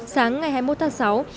sáng ngày hai mươi một tháng sáu